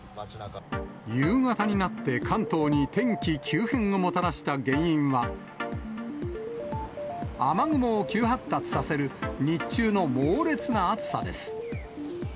夕方になって関東に天気急変をもたらした原因は、雨雲を急発達させる日中の猛烈な暑さです。